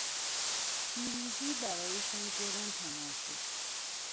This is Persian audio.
پیروزی برایشان گران تمام شد